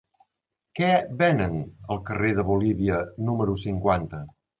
Què venen al carrer de Bolívia número cinquanta?